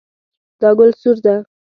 دا ګل سور ده